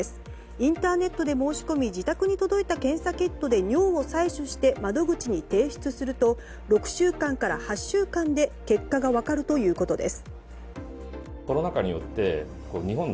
インターネットで申し込み自宅に届いた検査キットで尿を採取して窓口に提出すると６週間から８週間で結果が分かるということです。